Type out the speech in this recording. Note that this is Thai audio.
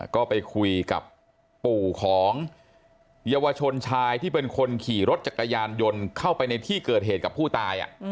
ก็ไปคุยกับปู่ของเยาวชนชายที่เป็นคนขี่รถจักรยานยนต์เข้าไปในที่เกิดเหตุกับผู้ตาย